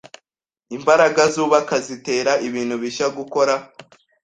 Imbaraga zubaka zitera ibintu bishya gukora